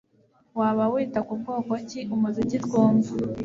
Waba wita ku bwoko ki umuziki twumva